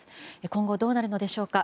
今後、どうなるのでしょうか。